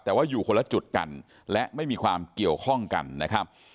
แต่ว่าอยู่คนละจุดกันและไม่มีความเกี่ยวข้องกันนะครับ